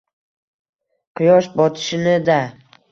— Quyosh botishini-da.